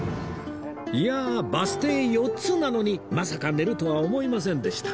いやあバス停４つなのにまさか寝るとは思いませんでした